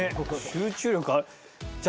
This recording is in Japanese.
集中力ある。